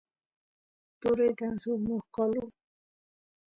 turay kan suk mosqolu